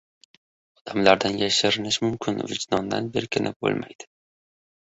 • Odamlardan yashirinish mumkin, vijdondan berkinib bo‘lmaydi.